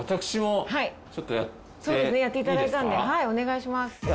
お願いします。